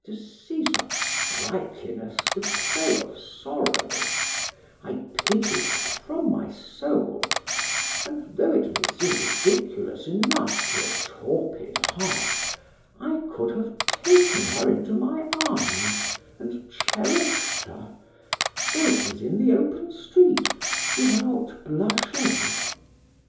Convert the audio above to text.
to see such sprightliness the prey of sorrow,—I pitied her from my soul; and though it may seem ridiculous enough to a torpid heart,—I could have taken her into my arms, and cherished her, though it was in the open street, without blushing.